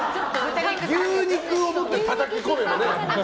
牛肉を持ってたたき込めばね。